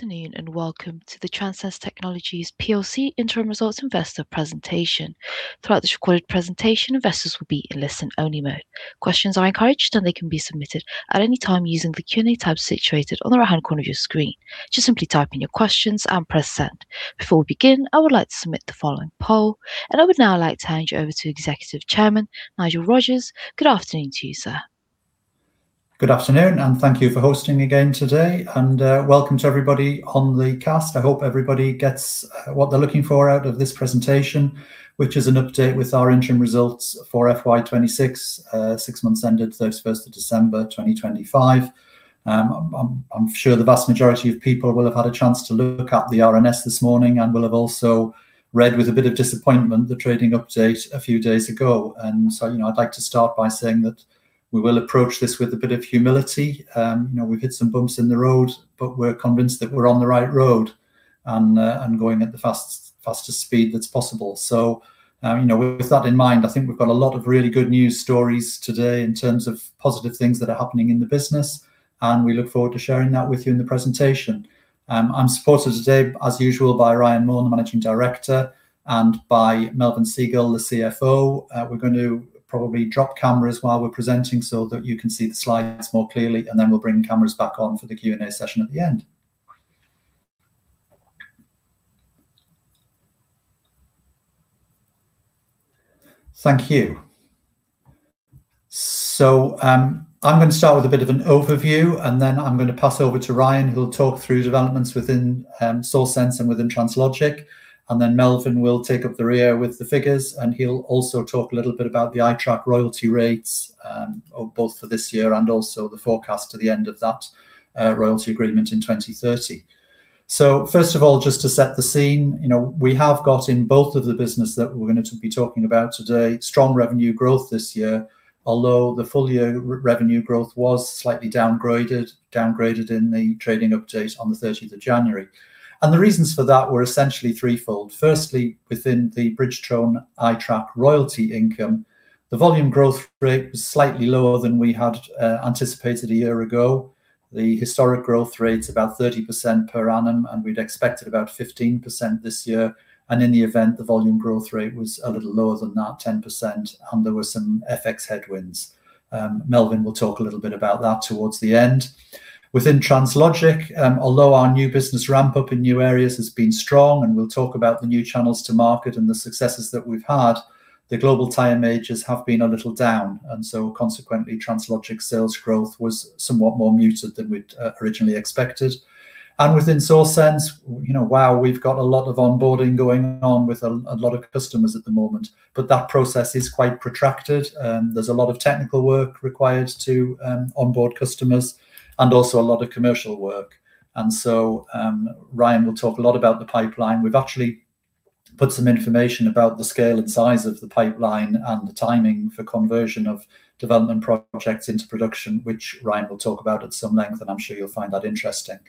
Good afternoon, and welcome to the Transense Technologies plc Interim Results Investor Presentation. Throughout this recorded presentation, investors will be in listen-only mode. Questions are encouraged, and they can be submitted at any time using the Q&A tab situated on the right-hand corner of your screen. Just simply type in your questions and press send. Before we begin, I would like to submit the following poll, and I would now like to hand you over to Executive Chairman, Nigel Rogers. Good afternoon to you, sir. Good afternoon, and thank you for hosting again today, and welcome to everybody on the cast. I hope everybody gets what they're looking for out of this presentation, which is an update with our interim results for FY 2026, six months ended 31st of December 2025. I'm sure the vast majority of people will have had a chance to look at the RNS this morning and will have also read with a bit of disappointment the trading update a few days ago. And so, you know, I'd like to start by saying that we will approach this with a bit of humility. You know, we've hit some bumps in the road, but we're convinced that we're on the right road and going at the fastest speed that's possible. So, you know, with that in mind, I think we've got a lot of really good news stories today in terms of positive things that are happening in the business, and we look forward to sharing that with you in the presentation. I'm supported today, as usual, by Ryan Maughan, the Managing Director, and by Melvyn Segal, the CFO. We're going to probably drop cameras while we're presenting so that you can see the slides more clearly, and then we'll bring cameras back on for the Q&A session at the end. Thank you. So, I'm gonna start with a bit of an overview, and then I'm gonna pass over to Ryan, who'll talk through developments within SAWsense and within Translogik. Then Melvyn will take up the rear with the figures, and he'll also talk a little bit about the iTrack royalty rates, both for this year and also the forecast to the end of that royalty agreement in 2030. So first of all, just to set the scene, you know, we have got in both of the business that we're going to be talking about today, strong revenue growth this year, although the full-year revenue growth was slightly downgraded in the trading update on the 13th of January. The reasons for that were essentially threefold. Firstly, within the Bridgestone iTrack royalty income, the volume growth rate was slightly lower than we had anticipated a year ago. The historic growth rate is about 30% per annum, and we'd expected about 15% this year, and in the event, the volume growth rate was a little lower than that, 10%, and there were some FX headwinds. Melvyn will talk a little bit about that towards the end. Within Translogik, although our new business ramp-up in new areas has been strong, and we'll talk about the new channels to market and the successes that we've had, the global tire majors have been a little down, and so consequently, Translogik sales growth was somewhat more muted than we'd originally expected. Within SAWsense, you know, while we've got a lot of onboarding going on with a lot of customers at the moment, but that process is quite protracted, and there's a lot of technical work required to onboard customers, and also a lot of commercial work. So, Ryan will talk a lot about the pipeline. We've actually put some information about the scale and size of the pipeline and the timing for conversion of development projects into production, which Ryan will talk about at some length, and I'm sure you'll find that interesting.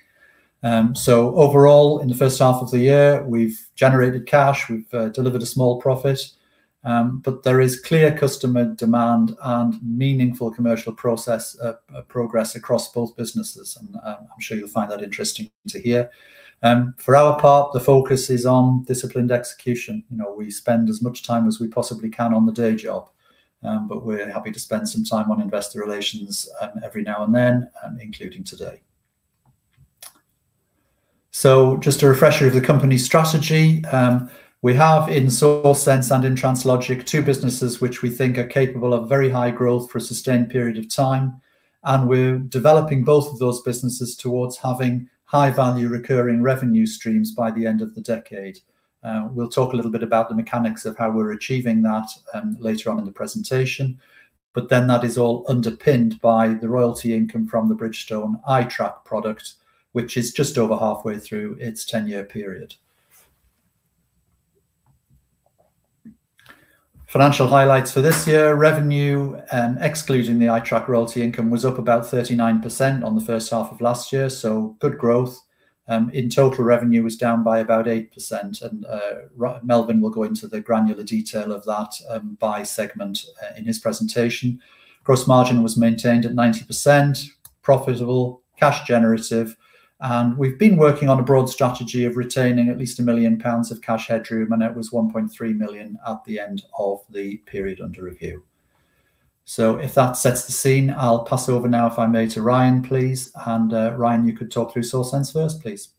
So overall, in the first half of the year, we've generated cash, we've delivered a small profit, but there is clear customer demand and meaningful commercial progress across both businesses, and I'm sure you'll find that interesting to hear. For our part, the focus is on disciplined execution. You know, we spend as much time as we possibly can on the day job, but we're happy to spend some time on investor relations, every now and then, including today. So just a refresher of the company's strategy. We have in SAWsense and in Translogik, two businesses which we think are capable of very high growth for a sustained period of time, and we're developing both of those businesses towards having high-value, recurring revenue streams by the end of the decade. We'll talk a little bit about the mechanics of how we're achieving that, later on in the presentation, but then that is all underpinned by the royalty income from the Bridgestone iTrack product, which is just over halfway through its 10-year period. Financial highlights for this year, revenue, excluding the iTrack royalty income, was up about 39% on the first half of last year, so good growth. In total, revenue was down by about 8%, and Melvyn will go into the granular detail of that, by segment, in his presentation. Gross margin was maintained at 90%, profitable, cash generative, and we've been working on a broad strategy of retaining at least 1 million pounds of cash headroom, and it was 1.3 million at the end of the period under review. So if that sets the scene, I'll pass over now, if I may, to Ryan, please. And, Ryan, you could talk through SAWsense first, please.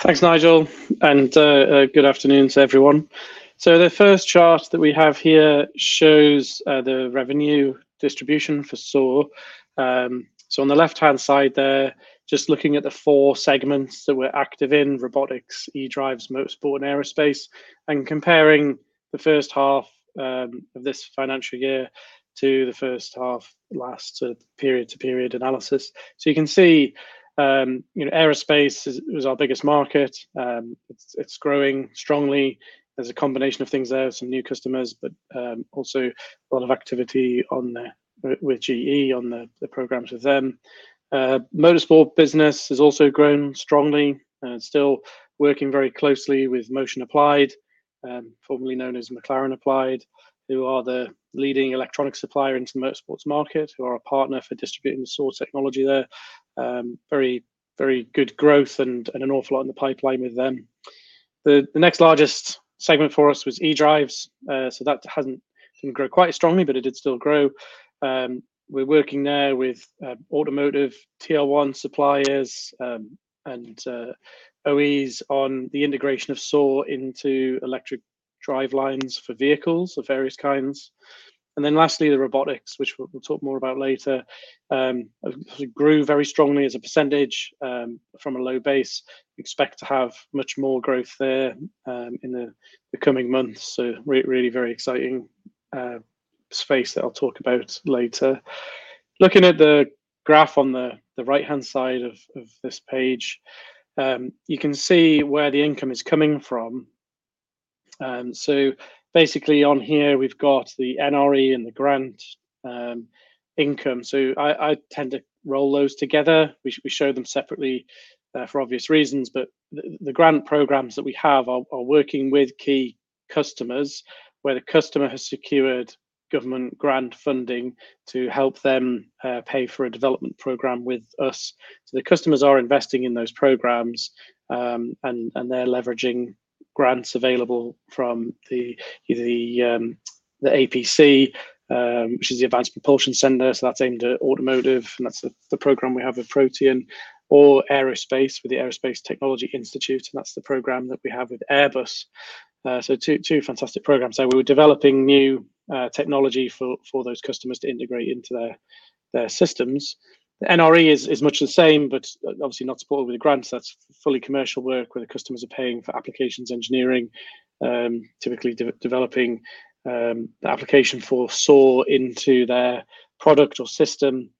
Thanks, Nigel, and good afternoon to everyone. So the first chart that we have here shows the revenue distribution for SAW. So on the left-hand side there, just looking at the four segments that we're active in, robotics, eDrive, motorsport, and aerospace, and comparing the first half of this financial year to the first half last, period-to-period analysis. So you can see, you know, aerospace is, was our biggest market. It's, it's growing strongly. There's a combination of things there, some new customers, but also a lot of activity on the- with GE on the programs with them. Motorsport business has also grown strongly, and still working very closely with Motion Applied, formerly known as McLaren Applied, who are the leading electronic supplier into the motorsports market, who are our partner for distributing the SAW technology there. Very, very good growth and an awful lot in the pipeline with them. The next largest segment for us was eDrives. So that hasn't grown quite strongly, but it did still grow. We're working there with automotive tier one suppliers and OEs on the integration of SAW into electric drivelines for vehicles of various kinds. And then lastly, the robotics, which we'll talk more about later, grew very strongly as a percentage from a low base. Expect to have much more growth there in the coming months. So really very exciting space that I'll talk about later. Looking at the graph on the right-hand side of this page, you can see where the income is coming from. So basically on here we've got the NRE and the grant income. So I tend to roll those together. We show them separately for obvious reasons, but the grant programs that we have are working with key customers, where the customer has secured government grant funding to help them pay for a development program with us. So the customers are investing in those programs, and they're leveraging grants available from the APC, which is the Advanced Propulsion Centre, so that's aimed at automotive, and that's the program we have with Protean, or aerospace, with the Aerospace Technology Institute, and that's the program that we have with Airbus. So two fantastic programs. So we're developing new technology for those customers to integrate into their systems. The NRE is much the same, but obviously not supported with the grants. That's fully commercial work, where the customers are paying for applications engineering, typically developing the application for SAW into their product or system.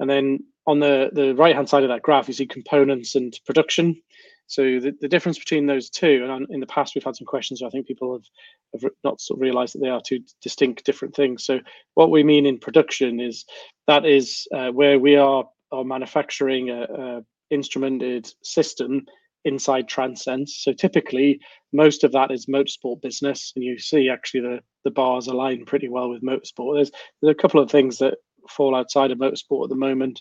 And then on the right-hand side of that graph, you see components and production. So the difference between those two, and in the past we've had some questions, so I think people have not sort of realized that they are two distinct, different things. So what we mean in production is, that is, where we are manufacturing an instrumented system inside Transense. So typically, most of that is motorsport business, and you see actually the bars align pretty well with motorsport. There's a couple of things that fall outside of motorsport at the moment,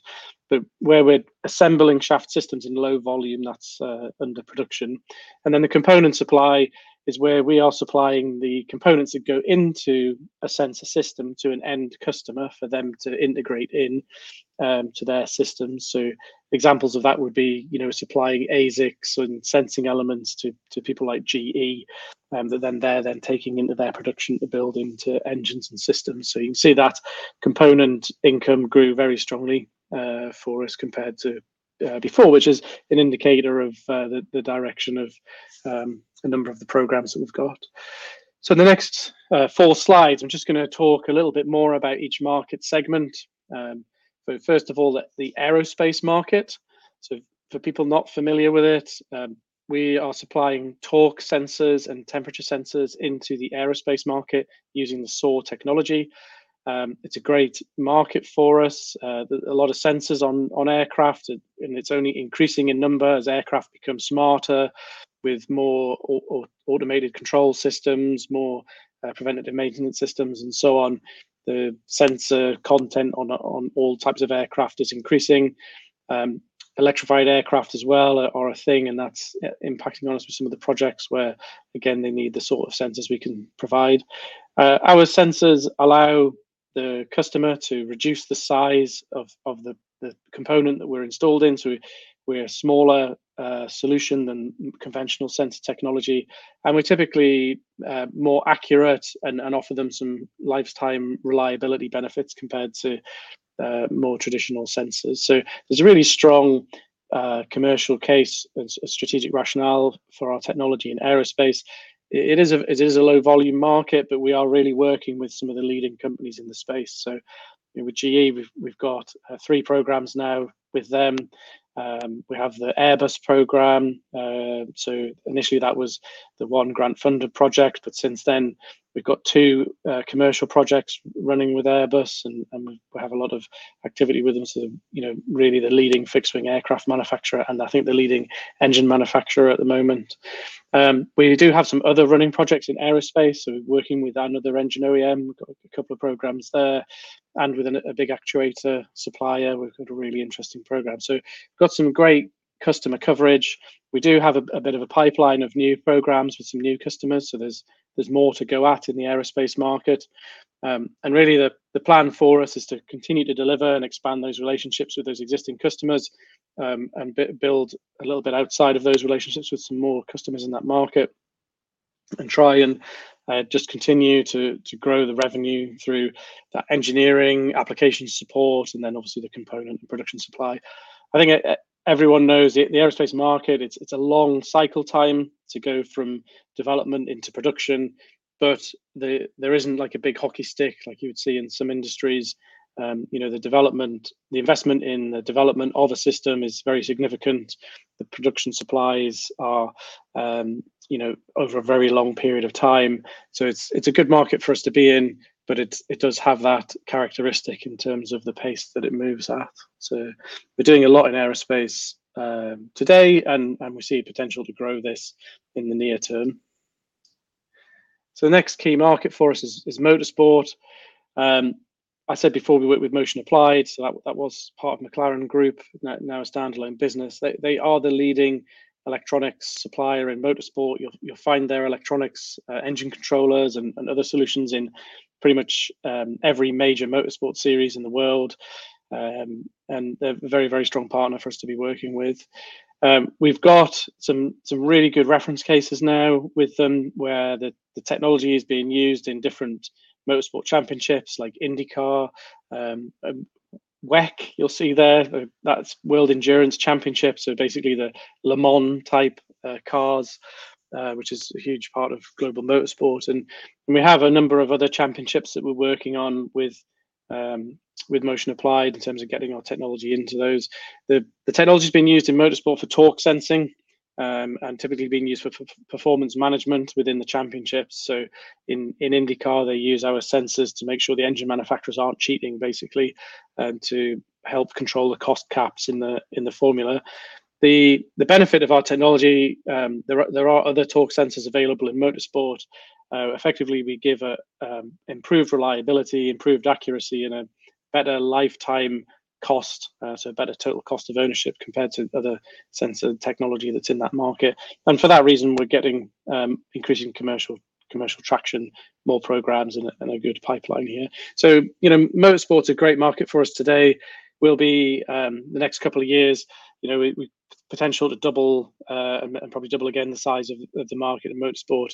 but where we're assembling shaft systems in low volume, that's under production. And then the component supply is where we are supplying the components that go into a sensor system to an end customer for them to integrate in, to their systems. So examples of that would be, you know, supplying ASICs and sensing elements to, to people like GE, that then they're taking into their production to build into engines and systems. So you can see that component income grew very strongly, for us compared to, before, which is an indicator of, the direction of, a number of the programs that we've got. So in the next, four slides, I'm just gonna talk a little bit more about each market segment. So first of all, the aerospace market. So for people not familiar with it, we are supplying torque sensors and temperature sensors into the aerospace market using the SAW technology. It's a great market for us. There's a lot of sensors on aircraft, and it's only increasing in number as aircraft become smarter with more automated control systems, more preventative maintenance systems, and so on. The sensor content on all types of aircraft is increasing. Electrified aircraft as well are a thing, and that's impacting on us with some of the projects where, again, they need the sort of sensors we can provide. Our sensors allow the customer to reduce the size of the component that we're installed in, so we're a smaller solution than conventional sensor technology, and we're typically more accurate and offer them some lifetime reliability benefits compared to more traditional sensors. So there's a really strong commercial case and a strategic rationale for our technology in aerospace. It is a low-volume market, but we are really working with some of the leading companies in the space. So with GE, we've got three programs now with them. We have the Airbus program. So initially, that was the one grant-funded project, but since then, we've got two commercial projects running with Airbus, and we have a lot of activity with them. So, you know, really the leading fixed-wing aircraft manufacturer, and I think the leading engine manufacturer at the moment. We do have some other running projects in aerospace, so we're working with another engine OEM. We've got a couple of programs there, and with a big actuator supplier, we've got a really interesting program. So we've got some great customer coverage. We do have a bit of a pipeline of new programs with some new customers, so there's more to go at in the aerospace market. And really, the plan for us is to continue to deliver and expand those relationships with those existing customers, and build a little bit outside of those relationships with some more customers in that market. And try and just continue to grow the revenue through that engineering application support, and then obviously, the component and production supply. I think everyone knows the aerospace market. It's a long cycle time to go from development into production, but there isn't like a big hockey stick like you would see in some industries. You know, the investment in the development of a system is very significant. The production supplies are, you know, over a very long period of time. So it's a good market for us to be in, but it does have that characteristic in terms of the pace that it moves at. So we're doing a lot in aerospace today, and we see potential to grow this in the near term. So the next key market for us is motorsport. I said before, we work with Motion Applied, so that was part of McLaren Group, now a standalone business. They are the leading electronics supplier in motorsport. You'll find their electronics, engine controllers and other solutions in pretty much every major motorsport series in the world. And they're a very, very strong partner for us to be working with. We've got some really good reference cases now with them, where the technology is being used in different motorsport championships like IndyCar, WEC. You'll see there, that's World Endurance Championships, so basically the Le Mans-type cars, which is a huge part of global motorsport. And we have a number of other championships that we're working on with Motion Applied in terms of getting our technology into those. The technology's been used in motorsport for torque sensing, and typically being used for performance management within the championships. So in IndyCar, they use our sensors to make sure the engine manufacturers aren't cheating, basically, and to help control the cost caps in the formula. The benefit of our technology, there are other torque sensors available in motorsport. Effectively, we give improved reliability, improved accuracy, and a better lifetime cost, so a better total cost of ownership compared to other sensor technology that's in that market. And for that reason, we're getting increasing commercial traction, more programs, and a good pipeline here. So, you know, motorsport's a great market for us today. Will be the next couple of years, you know, we potential to double, and probably double again the size of the market in motorsport.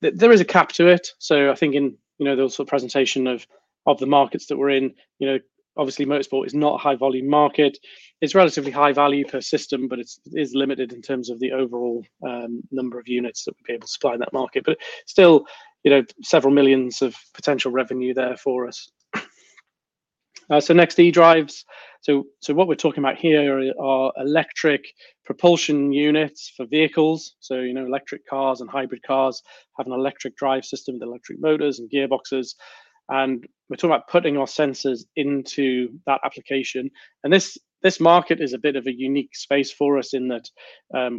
There is a cap to it, so I think in, you know, the sort of presentation of the markets that we're in, you know, obviously, motorsport is not a high-volume market. It's relatively high value per system, but it's limited in terms of the overall number of units that we'll be able to supply in that market. But still, you know, several millions of potential revenue there for us. So next, eDrives. So what we're talking about here are electric propulsion units for vehicles. So, you know, electric cars and hybrid cars have an electric drive system with electric motors and gearboxes, and we're talking about putting our sensors into that application. This market is a bit of a unique space for us in that,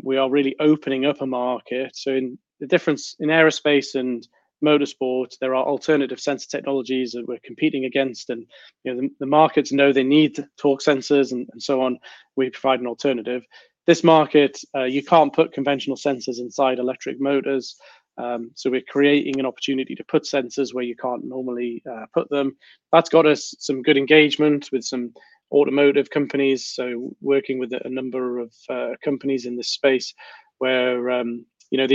we are really opening up a market. So in the difference in aerospace and motorsport, there are alternative sensor technologies that we're competing against, and, you know, the markets know they need torque sensors and so on. We provide an alternative. This market, you can't put conventional sensors inside electric motors, so we're creating an opportunity to put sensors where you can't normally put them. That's got us some good engagement with some automotive companies, so working with a number of companies in this space where, you know,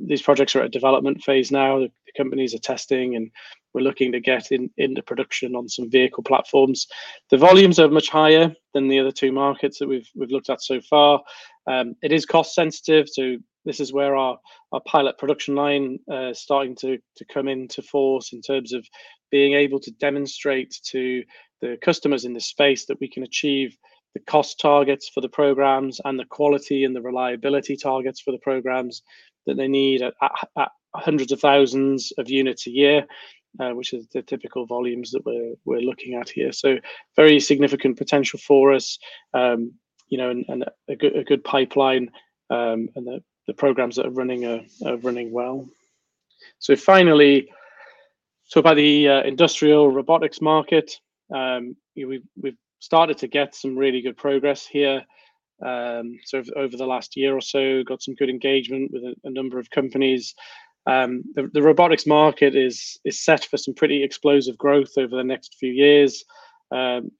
these projects are at development phase now. The companies are testing, and we're looking to get into production on some vehicle platforms. The volumes are much higher than the other two markets that we've looked at so far. It is cost sensitive, so this is where our pilot production line is starting to come into force in terms of being able to demonstrate to the customers in this space that we can achieve the cost targets for the programs and the quality and the reliability targets for the programs that they need at hundreds of thousands of units a year, which is the typical volumes that we're looking at here. So very significant potential for us, you know, and a good pipeline, and the programs that are running are running well. So finally, the industrial robotics market, we've started to get some really good progress here. So over the last year or so, got some good engagement with a number of companies. The robotics market is set for some pretty explosive growth over the next few years,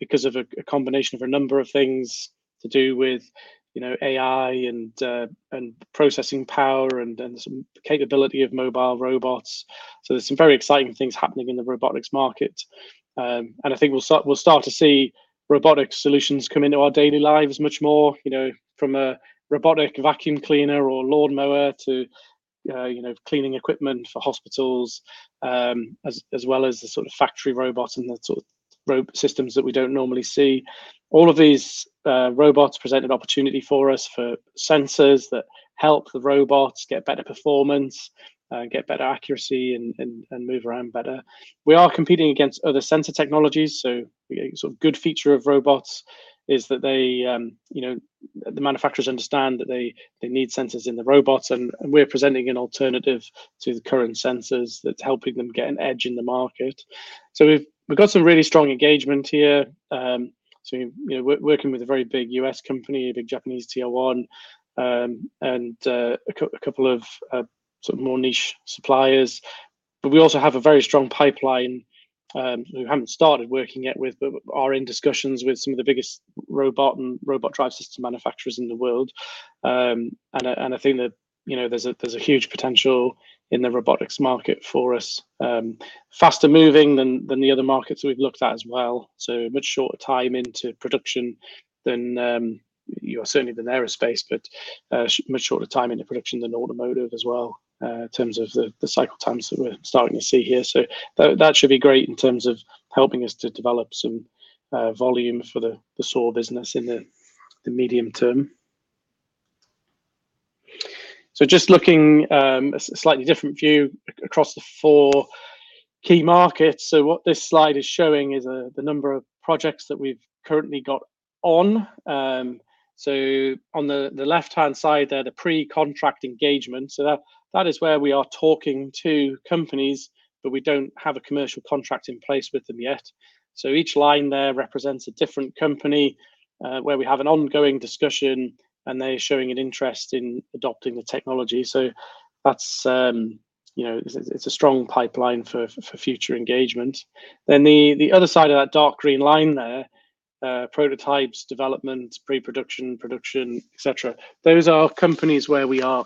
because of a combination of a number of things to do with, you know, AI and processing power and some capability of mobile robots. So there's some very exciting things happening in the robotics market. And I think we'll start to see robotic solutions come into our daily lives much more, you know, from a robotic vacuum cleaner or lawnmower to, you know, cleaning equipment for hospitals, as well as the sort of factory robots and the sort of robot systems that we don't normally see. All of these robots present an opportunity for us for sensors that help the robots get better performance, get better accuracy, and move around better. We are competing against other sensor technologies, so a sort of good feature of robots is that they, you know, the manufacturers understand that they need sensors in the robots, and we're presenting an alternative to the current sensors that's helping them get an edge in the market. So we've got some really strong engagement here. So, you know, working with a very big U.S. company, a big Japanese Tier I, and a couple of sort of more niche suppliers. But we also have a very strong pipeline, we haven't started working yet with, but we are in discussions with some of the biggest robot and robot drive system manufacturers in the world. And I think that, you know, there's a huge potential in the robotics market for us. Faster moving than the other markets we've looked at as well. So a much shorter time into production than, you know, certainly than aerospace, but much shorter time into production than automotive as well, in terms of the cycle times that we're starting to see here. So that should be great in terms of helping us to develop some volume for the SAW business in the medium term. So just looking a slightly different view across the four key markets. So what this slide is showing is the number of projects that we've currently got on. So on the left-hand side there, the pre-contract engagement, so that is where we are talking to companies, but we don't have a commercial contract in place with them yet. So each line there represents a different company where we have an ongoing discussion, and they're showing an interest in adopting the technology. So that's, you know, it's a strong pipeline for future engagement. Then the other side of that dark green line there, prototypes, development, pre-production, production, et cetera, those are companies where we are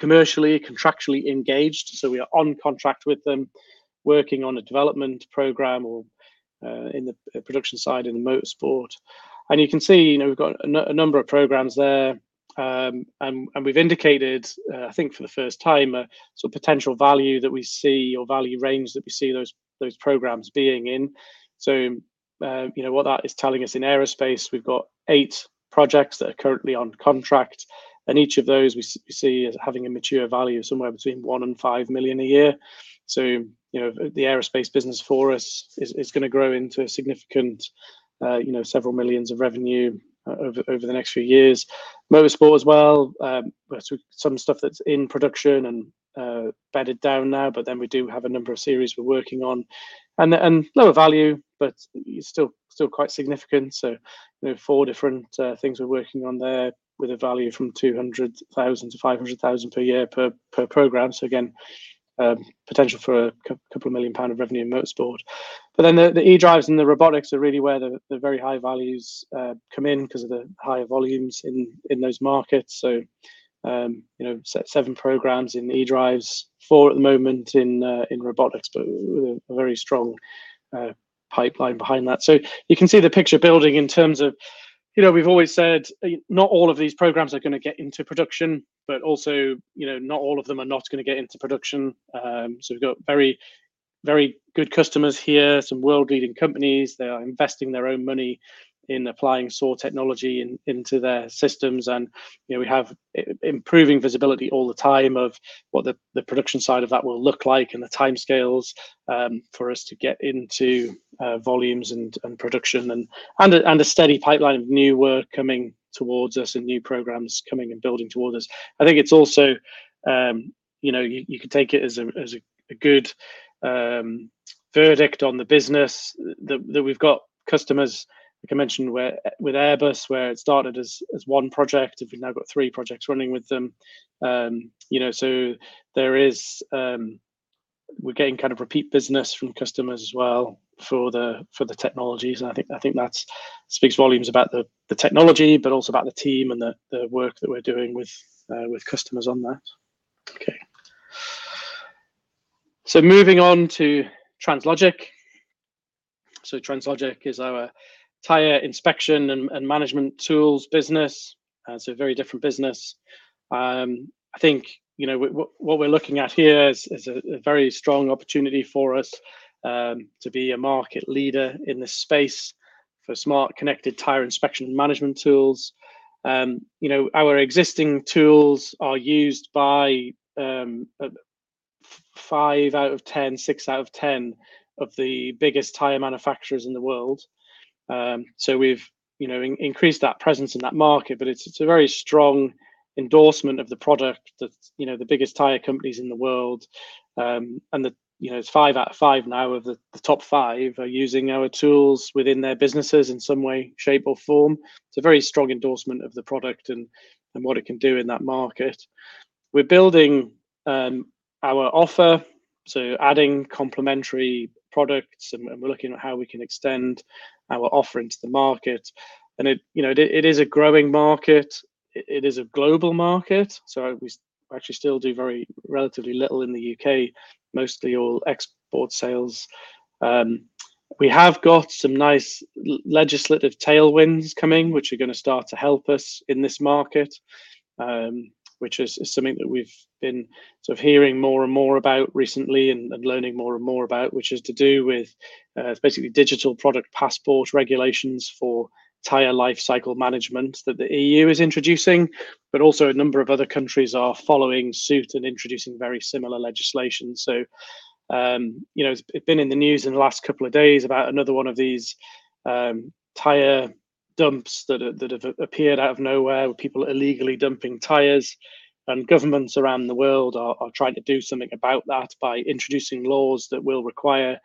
commercially, contractually engaged, so we are on contract with them, working on a development program or in the production side in the motorsport. You can see, you know, we've got a number of programs there. We've indicated, I think for the first time, a sort of potential value that we see or value range that we see those, those programs being in. So, you know what that is telling us in aerospace, we've got eight projects that are currently on contract, and each of those we see as having a mature value of somewhere between 1 million and 5 million a year. So, you know, the aerospace business for us is gonna grow into a significant, you know, several millions GBP of revenue over the next few years. Motorsport as well, so some stuff that's in production and bedded down now, but then we do have a number of series we're working on. Lower value, but still quite significant, so there are four different things we're working on there with a value from 200,000-500,000 per year per program. So again, potential for a couple of million GBP of revenue in motorsport. But then the eDrives and the robotics are really where the very high values come in 'cause of the higher volumes in those markets. So, you know, seven programs in eDrives, four at the moment in robotics, but a very strong pipeline behind that. So you can see the picture building in terms of, you know, we've always said, not all of these programs are gonna get into production, but also, you know, not all of them are not gonna get into production. So we've got very, very good customers here, some world-leading companies. They are investing their own money in applying SAW technology into their systems. And, you know, we have improving visibility all the time of what the production side of that will look like and the timescales for us to get into volumes and production, and a steady pipeline of new work coming towards us and new programs coming and building towards us. I think it's also, you know, you can take it as a good verdict on the business that we've got customers, like I mentioned, with Airbus, where it started as one project, and we've now got three projects running with them. We're getting kind of repeat business from customers as well for the technologies, and I think that speaks volumes about the technology, but also about the team and the work that we're doing with customers on that. Okay. So moving on to Translogik. Translogik is our tire inspection and management tools business. It's a very different business. I think, you know, what we're looking at here is a very strong opportunity for us to be a market leader in this space for smart, connected tire inspection management tools. You know, our existing tools are used by five out of 10, six out of 10 of the biggest tire manufacturers in the world. So we've, you know, increased that presence in that market, but it's a very strong endorsement of the product that, you know, the biggest tire companies in the world, and you know, it's five out of five now of the top five are using our tools within their businesses in some way, shape, or form. It's a very strong endorsement of the product and what it can do in that market. We're building our offer, so adding complementary products, and we're looking at how we can extend our offering to the market. And it, you know, it is a growing market. It is a global market, so we actually still do very relatively little in the UK, mostly all export sales. We have got some nice legislative tailwinds coming, which are gonna start to help us in this market, which is something that we've been sort of hearing more and more about recently and learning more and more about, which is to do with basically Digital Product Passport regulations for tire life cycle management that the EU is introducing, but also a number of other countries are following suit and introducing very similar legislation. You know, it's been in the news in the last couple of days about another one of these tire dumps that have appeared out of nowhere, with people illegally dumping tires. Governments around the world are trying to do something about that by introducing laws that will require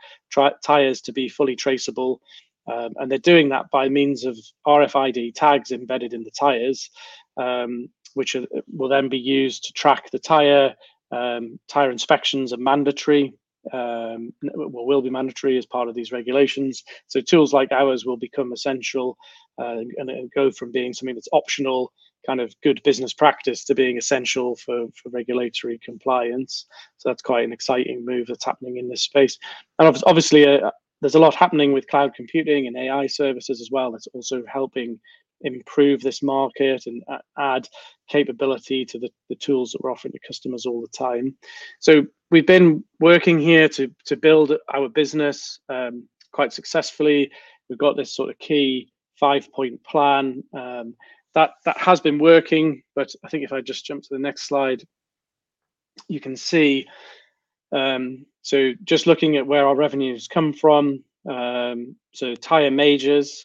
tires to be fully traceable, and they're doing that by means of RFID tags embedded in the tires, which will then be used to track the tire. Tire inspections are mandatory, well, will be mandatory as part of these regulations. So tools like ours will become essential, and go from being something that's optional, kind of good business practice, to being essential for regulatory compliance. So that's quite an exciting move that's happening in this space. And obviously, there's a lot happening with cloud computing and AI services as well, that's also helping improve this market and add capability to the tools that we're offering to customers all the time. So we've been working here to build our business quite successfully. We've got this sort of key five-point plan that has been working, but I think if I just jump to the next slide, you can see, so just looking at where our revenues come from, so tire majors,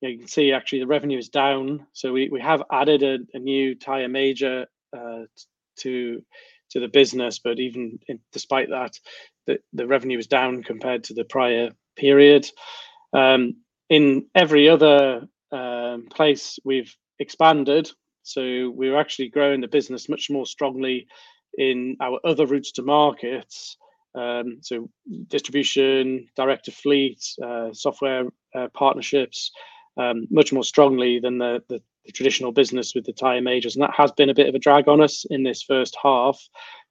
you can see actually the revenue is down. So we have added a new tire major to the business, but even despite that, the revenue is down compared to the prior period. In every other place we've expanded, so we're actually growing the business much more strongly in our other routes to markets. So distribution, direct to fleet, software, partnerships much more strongly than the traditional business with the tire majors. That has been a bit of a drag on us in this first half.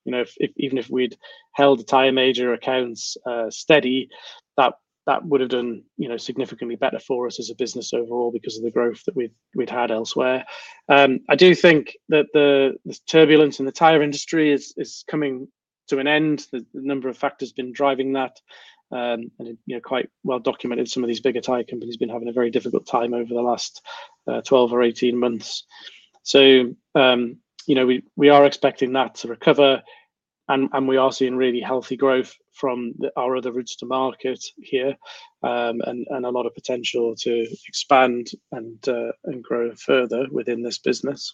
You know, if even if we'd held the tire major accounts steady, that would have done, you know, significantly better for us as a business overall because of the growth that we'd had elsewhere. I do think that the turbulence in the tire industry is coming to an end. The number of factors been driving that, and, you know, quite well documented, some of these bigger tire companies been having a very difficult time over the last 12 or 18 months. So, you know, we are expecting that to recover, and we are seeing really healthy growth from our other routes to market here, and a lot of potential to expand and grow further within this business.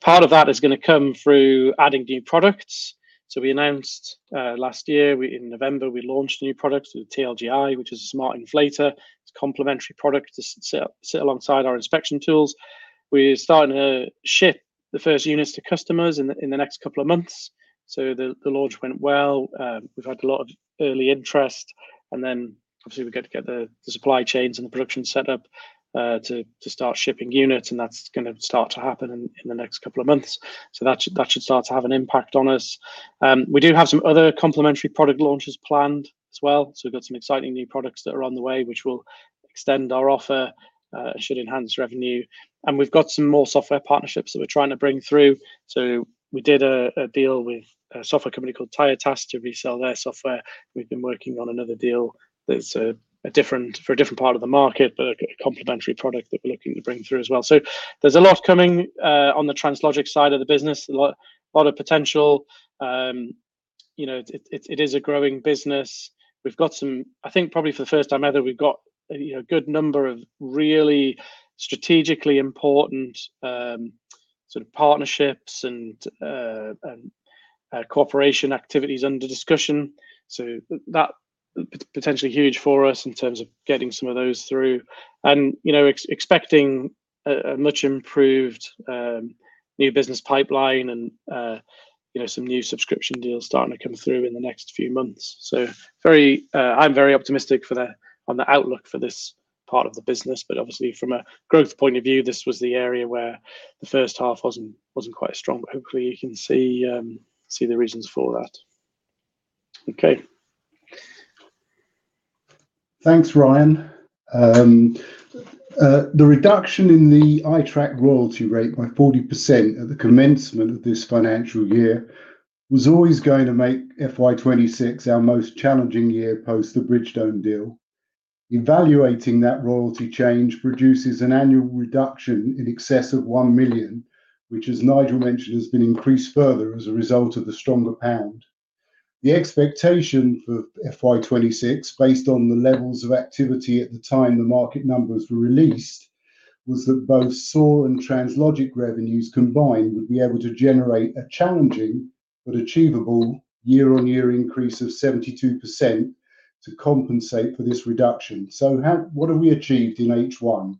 Part of that is gonna come through adding new products. So we announced last year in November, we launched a new product, the TLGi, which is a smart inflator. It's a complementary product to sit alongside our inspection tools. We're starting to ship the first units to customers in the next couple of months. So the launch went well. We've had a lot of early interest, and then obviously we've got to get the supply chains and the production set up to start shipping units, and that's gonna start to happen in the next couple of months. So that should start to have an impact on us. We do have some other complementary product launches planned as well, so we've got some exciting new products that are on the way, which will extend our offer, should enhance revenue. And we've got some more software partnerships that we're trying to bring through. So we did a deal with a software company called TIRETASK to resell their software. We've been working on another deal that's a different for a different part of the market, but a complementary product that we're looking to bring through as well. So there's a lot coming on the Translogik side of the business, a lot of potential. You know, it is a growing business. We've got some... I think probably for the first time ever, we've got, you know, a good number of really strategically important sort of partnerships and cooperation activities under discussion. So that potentially huge for us in terms of getting some of those through. And, you know, expecting a much improved new business pipeline and, you know, some new subscription deals starting to come through in the next few months. So, I'm very optimistic on the outlook for this part of the business, but obviously from a growth point of view, this was the area where the first half wasn't quite as strong. But hopefully, you can see the reasons for that. Okay. Thanks, Ryan. The reduction in the iTrack royalty rate by 40% at the commencement of this financial year was always going to make FY 2026 our most challenging year post the Bridgestone deal. Evaluating that royalty change produces an annual reduction in excess of 1 million, which, as Nigel mentioned, has been increased further as a result of the stronger pound. The expectation for FY 2026, based on the levels of activity at the time the market numbers were released, was that both SAWsense and Translogik revenues combined would be able to generate a challenging but achievable year-on-year increase of 72% to compensate for this reduction. So, what have we achieved in H1?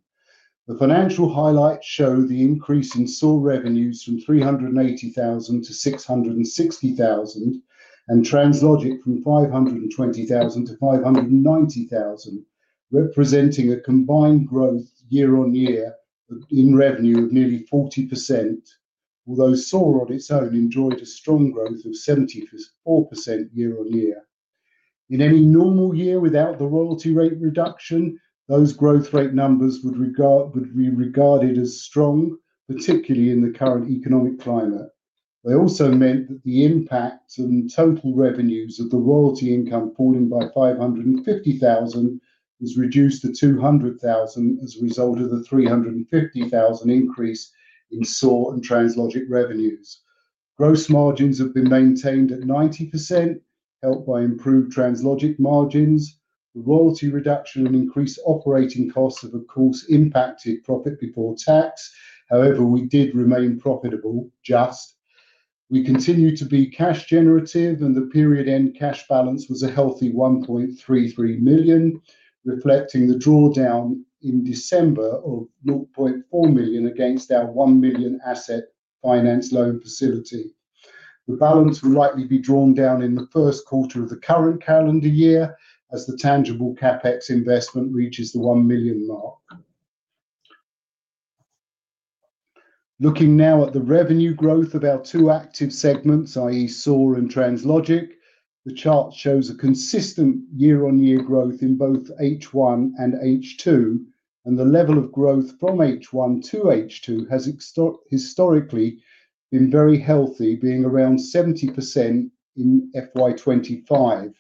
The financial highlights show the increase in SAWsense revenues from 380,000 to 660,000, and Translogik from 520,000 to 590,000, representing a combined growth year-on-year in revenue of nearly 40%. Although SAWsense on its own enjoyed a strong growth of 74% year-on-year. In any normal year without the royalty rate reduction, those growth rate numbers would be regarded as strong, particularly in the current economic climate. They also meant that the impact on total revenues of the royalty income falling by 550,000 was reduced to 200,000 as a result of the 350,000 increase in SAWsense and Translogik revenues. Gross margins have been maintained at 90%, helped by improved Translogik margins. The royalty reduction and increased operating costs have, of course, impacted profit before tax. However, we did remain profitable, just. We continued to be cash generative, and the period-end cash balance was a healthy 1.33 million, reflecting the drawdown in December of 0.4 million against our 1 million asset finance loan facility. The balance will likely be drawn down in the first quarter of the current calendar year as the tangible CapEx investment reaches the 1 million mark. Looking now at the revenue growth of our two active segments, i.e. SAWsense and Translogik, the chart shows a consistent year-on-year growth in both H1 and H2, and the level of growth from H1 to H2 has historically been very healthy, being around 70% in FY 2025...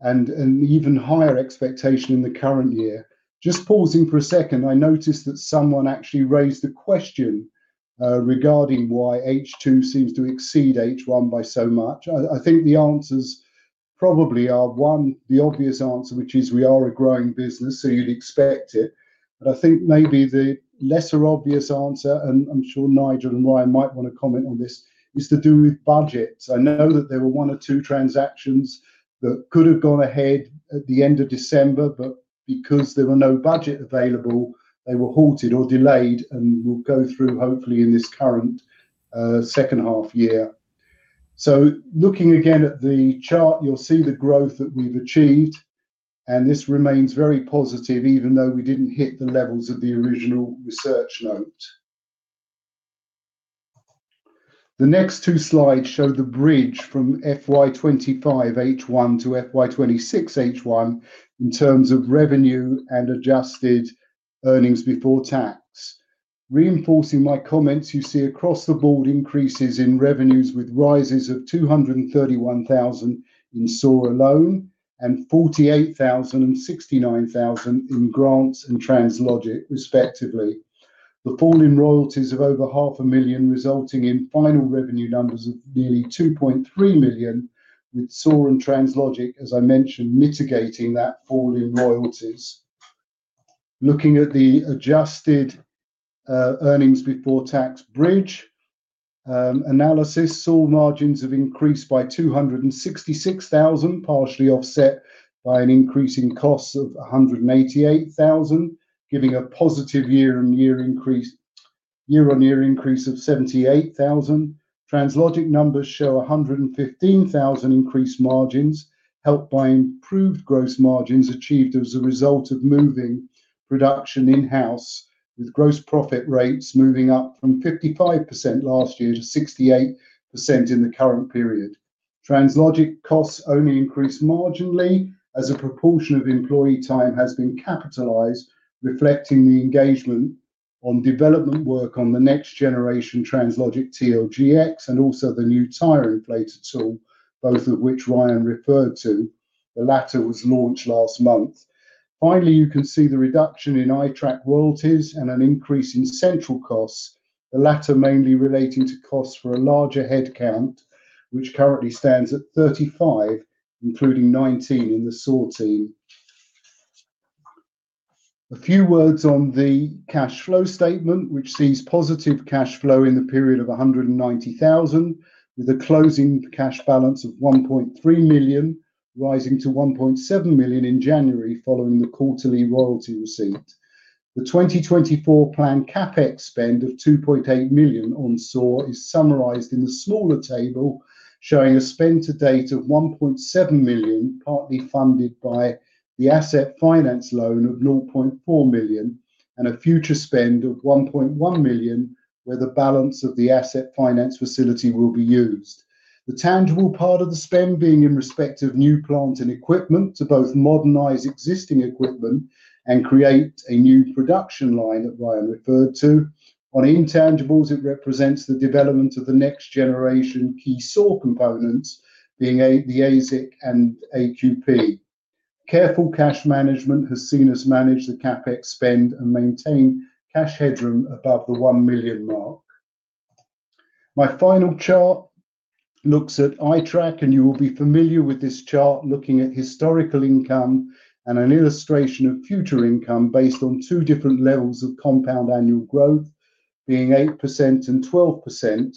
and an even higher expectation in the current year. Just pausing for a second, I noticed that someone actually raised a question regarding why H2 seems to exceed H1 by so much. I think the answers probably are, one, the obvious answer, which is we are a growing business, so you'd expect it. But I think maybe the lesser obvious answer, and I'm sure Nigel and Ryan might want to comment on this, is to do with budgets. I know that there were one or two transactions that could have gone ahead at the end of December, but because there were no budget available, they were halted or delayed and will go through hopefully in this current second half year. So looking again at the chart, you'll see the growth that we've achieved, and this remains very positive, even though we didn't hit the levels of the original research note. The next two slides show the bridge from FY 2025 H1 to FY 2026 H1 in terms of revenue and adjusted earnings before tax. Reinforcing my comments, you see across the board increases in revenues with rises of 231,000 in SAW alone, and 48,000 and 69,000 in Grants and Translogik, respectively. The fall in royalties of over 500,000, resulting in final revenue numbers of nearly 2.3 million, with SAW and Translogik, as I mentioned, mitigating that fall in royalties. Looking at the adjusted earnings before tax bridge analysis, SAW margins have increased by 266,000, partially offset by an increase in costs of 188,000, giving a positive year-on-year increase, year-on-year increase of 78,000. Translogik numbers show 115,000 increased margins, helped by improved gross margins achieved as a result of moving production in-house, with gross profit rates moving up from 55% last year to 68% in the current period. Translogik costs only increased marginally as a proportion of employee time has been capitalized, reflecting the engagement on development work on the next generation Translogik TLGX, and also the new tire inflator tool, both of which Ryan referred to. The latter was launched last month. Finally, you can see the reduction in iTrack royalties and an increase in central costs, the latter mainly relating to costs for a larger headcount, which currently stands at 35, including 19 in the SAW team. A few words on the cash flow statement, which sees positive cash flow in the period of 190,000, with a closing cash balance of 1.3 million, rising to 1.7 million in January following the quarterly royalty receipt. The 2024 planned CapEx spend of 2.8 million on SAW is summarized in the smaller table, showing a spend to date of 1.7 million, partly funded by the asset finance loan of 0.4 million, and a future spend of 1.1 million, where the balance of the asset finance facility will be used. The tangible part of the spend being in respect of new plant and equipment to both modernize existing equipment and create a new production line that Ryan referred to. On intangibles, it represents the development of the next generation key SAW components, being the ASIC and AQP. Careful cash management has seen us manage the CapEx spend and maintain cash headroom above the 1 million mark. My final chart looks at iTrack, and you will be familiar with this chart, looking at historical income and an illustration of future income based on two different levels of compound annual growth, being 8% and 12%,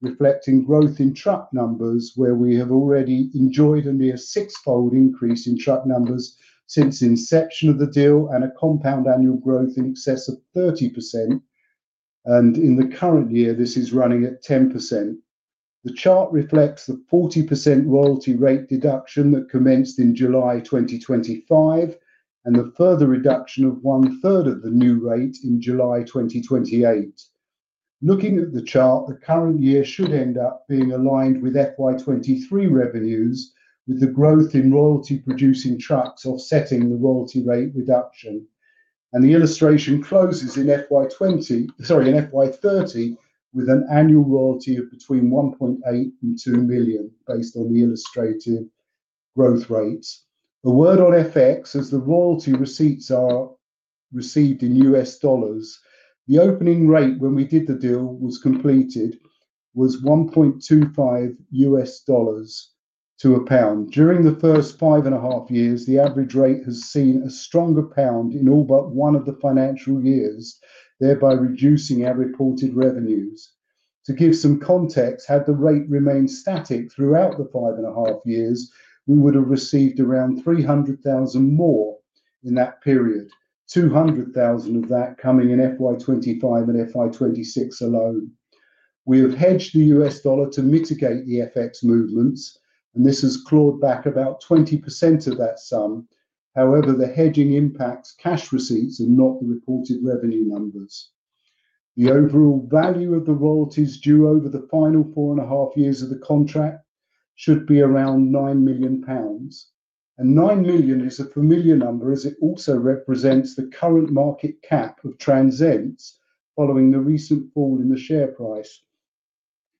reflecting growth in truck numbers, where we have already enjoyed a near six-fold increase in truck numbers since inception of the deal, and a compound annual growth in excess of 30%, and in the current year, this is running at 10%. The chart reflects the 40% royalty rate deduction that commenced in July 2025, and the further reduction of 1/3 of the new rate in July 2028. Looking at the chart, the current year should end up being aligned with FY 2023 revenues, with the growth in royalty-producing trucks offsetting the royalty rate reduction. The illustration closes in FY 2030, with an annual royalty of between $1.8 million and $2 million based on the illustrated growth rates. A word on FX, as the royalty receipts are received in US dollars. The opening rate when we did the deal was completed was $1.25 to the pound. During the first five and a half years, the average rate has seen a stronger pound in all but one of the financial years, thereby reducing our reported revenues. To give some context, had the rate remained static throughout the five and a half years, we would have received around 300,000 more in that period, 200,000 of that coming in FY 2025 and FY 2026 alone. We have hedged the US dollar to mitigate the FX movements, and this has clawed back about 20% of that sum. However, the hedging impacts cash receipts and not the reported revenue numbers. The overall value of the royalties due over the final four and a half years of the contract should be around 9 million pounds. And 9 million is a familiar number, as it also represents the current market cap of Transense, following the recent fall in the share price.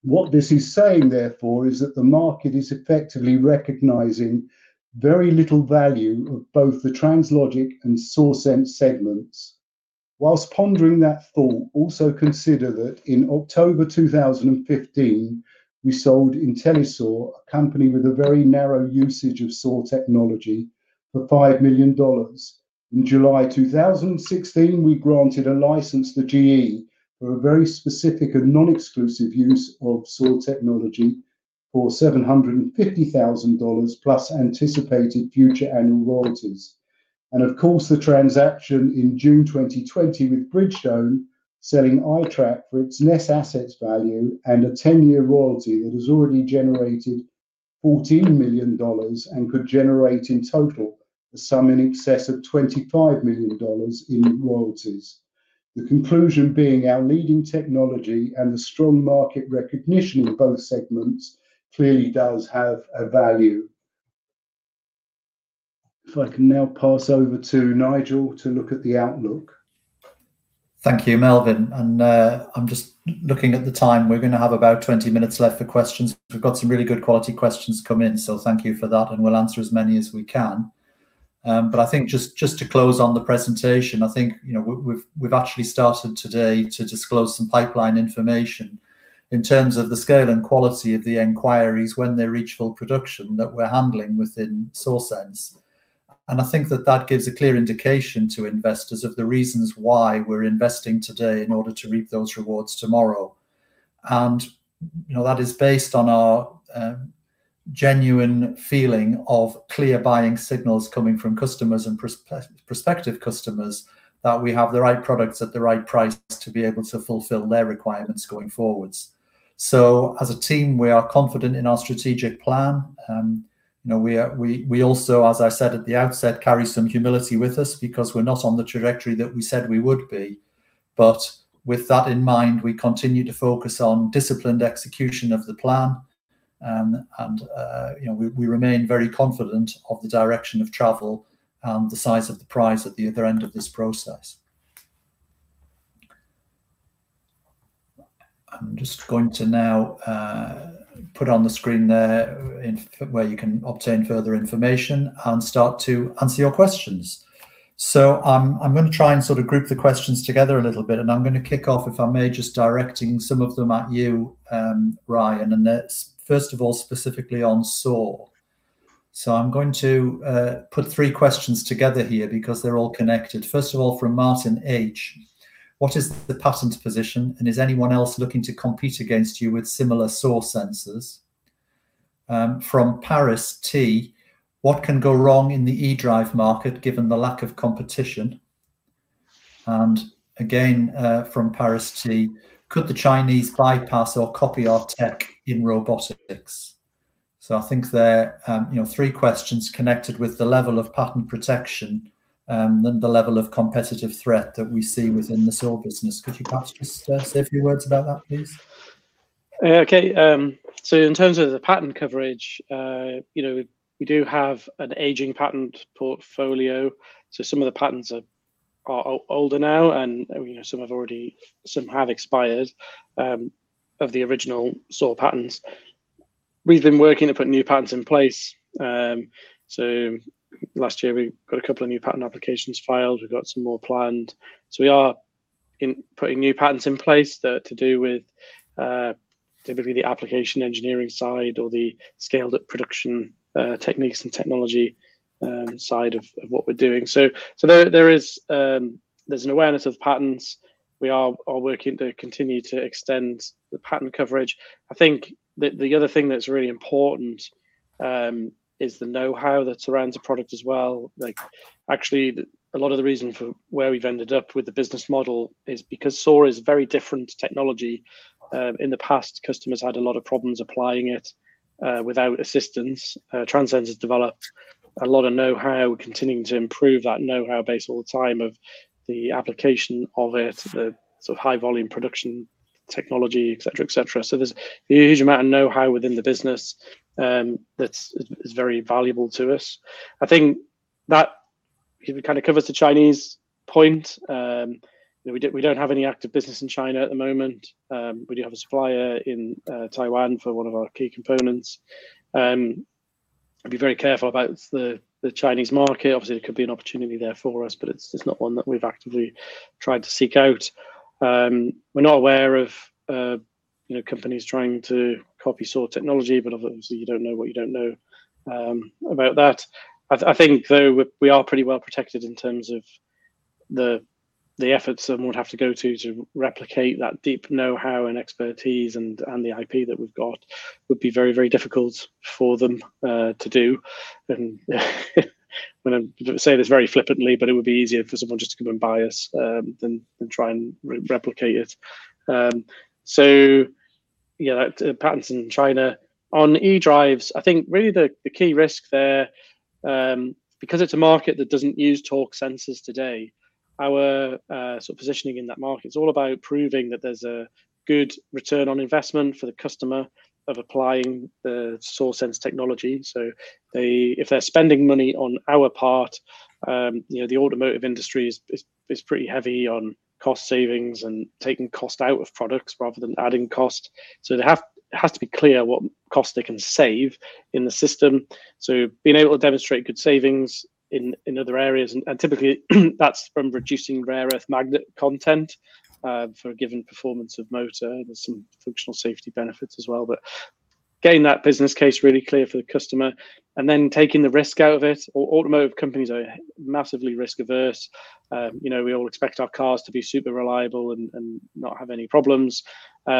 What this is saying, therefore, is that the market is effectively recognizing very little value of both the Translogik and SAWsense segments. Whilst pondering that thought, also consider that in October 2015, we sold IntelliSAW, a company with a very narrow usage of SAW technology, for $5 million. In July 2016, we granted a license to GE for a very specific and non-exclusive use of SAW technology for $750,000, plus anticipated future annual royalties. Of course, the transaction in June 2020 with Bridgestone, selling iTrack for its net assets value and a 10-year royalty that has already generated $14 million and could generate in total a sum in excess of $25 million in royalties. The conclusion being our leading technology and the strong market recognition of both segments clearly does have a value. If I can now pass over to Nigel to look at the outlook. Thank you, Melvyn, and I'm just looking at the time. We're gonna have about 20 minutes left for questions. We've got some really good quality questions come in, so thank you for that, and we'll answer as many as we can. But I think just to close on the presentation, I think, you know, we've actually started today to disclose some pipeline information in terms of the scale and quality of the inquiries when they reach full production that we're handling within SAWsense. And I think that that gives a clear indication to investors of the reasons why we're investing today in order to reap those rewards tomorrow. And, you know, that is based on our genuine feeling of clear buying signals coming from customers and prospective customers, that we have the right products at the right price to be able to fulfill their requirements going forwards. So as a team, we are confident in our strategic plan, you know, we also, as I said at the outset, carry some humility with us because we're not on the trajectory that we said we would be. But with that in mind, we continue to focus on disciplined execution of the plan, and, you know, we remain very confident of the direction of travel and the size of the prize at the other end of this process. I'm just going to now put on the screen there where you can obtain further information and start to answer your questions. So I'm gonna try and sort of group the questions together a little bit, and I'm gonna kick off, if I may, just directing some of them at you, Ryan, and that's first of all, specifically on SAW. So I'm going to put three questions together here because they're all connected. First of all, from Martin H: What is the patent position, and is anyone else looking to compete against you with similar SAW sensors? From Paris T: What can go wrong in the eDrive market, given the lack of competition? And again, from Paris T: Could the Chinese bypass or copy our tech in robotics? So I think they're, you know, three questions connected with the level of patent protection, and the level of competitive threat that we see within the SAW business. Could you perhaps just say a few words about that, please? Okay. So in terms of the patent coverage, you know, we do have an aging patent portfolio, so some of the patents are older now, and, you know, some have already expired of the original SAW patents. We've been working to put new patents in place. So last year we got a couple of new patent applications filed. We've got some more planned. So we are putting new patents in place that are to do with typically the application engineering side or the scaled up production techniques and technology side of what we're doing. So there is an awareness of patents. We are working to continue to extend the patent coverage. I think the other thing that's really important is the know-how that surrounds the product as well. Like, actually, a lot of the reason for where we've ended up with the business model is because SAW is very different technology. In the past, customers had a lot of problems applying it without assistance. Transense has developed a lot of know-how, continuing to improve that know-how base all the time of the application of it, the sort of high volume production technology, et cetera, et cetera. So there's a huge amount of know-how within the business, that's, is very valuable to us. I think that it kind of covers the Chinese point. We don't, we don't have any active business in China at the moment. We do have a supplier in Taiwan for one of our key components. I'd be very careful about the Chinese market. Obviously, there could be an opportunity there for us, but it's not one that we've actively tried to seek out. We're not aware of, you know, companies trying to copy SAW technology, but obviously, you don't know what you don't know, about that. I think, though, we are pretty well protected in terms of the efforts someone would have to go to, to replicate that deep know-how and expertise and the IP that we've got, would be very, very difficult for them, to do. And well, I say this very flippantly, but it would be easier for someone just to come and buy us, than try and replicate it. So, yeah, that patents in China. On eDrive, I think really the key risk there, because it's a market that doesn't use torque sensors today, our sort of positioning in that market is all about proving that there's a good return on investment for the customer of applying the SAWsense technology. So they, if they're spending money on our part, you know, the automotive industry is pretty heavy on cost savings and taking cost out of products rather than adding cost. So they have, it has to be clear what cost they can save in the system. So being able to demonstrate good savings in other areas, and typically, that's from reducing rare earth magnet content for a given performance of motor. There's some functional safety benefits as well. Getting that business case really clear for the customer and then taking the risk out of it. Automotive companies are massively risk-averse. You know, we all expect our cars to be super reliable and not have any problems. You